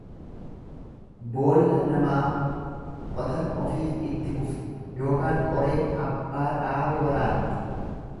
Boolla namaa qotan ofiif itti kufu ykn qoreen abbaa dhaabe waraanti.